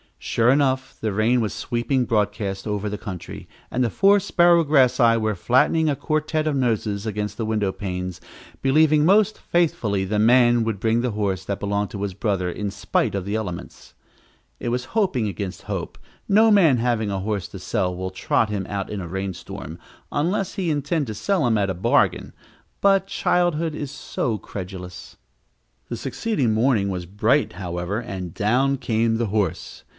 Sure enough, the rain was sweeping broadcast over the country, and the four Sparrowgrassii were flattening a quartet of noses against the window panes, believing most faithfully the man would bring the horse that belonged to his brother, in spite of the elements. It was hoping against hope; no man having a horse to sell will trot him out in a rainstorm, unless he intend to sell him at a bargain but childhood is so credulous! The succeeding morning was bright, however, and down came the horse.